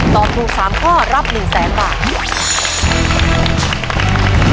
ตอบถูก๓ข้อรับ๑๐๐๐๐๐๐บาท